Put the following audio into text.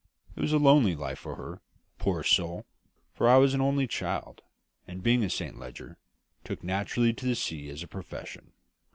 It was a lonely life for her, poor soul! for I was her only child, and being a Saint Leger took naturally to the sea as a profession.